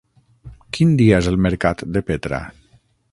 Quin dia és el mercat de Petra?